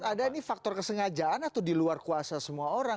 ada ini faktor kesengajaan atau di luar kuasa semua orang